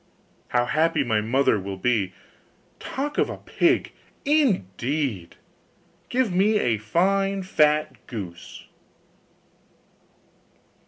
How happy my mother will be! Talk of a pig, indeed! Give me a fine fat goose.